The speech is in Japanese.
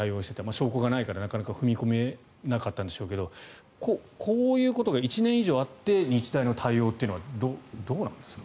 証拠がないから、なかなか踏み切れなかったんですがこういうことが１年以上あって日大の対応っていうのはどうなんですか？